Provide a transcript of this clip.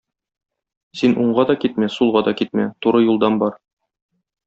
Син уңга да китмә, сулга да китмә, туры юлдан бар.